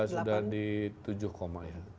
sudah di tujuh ya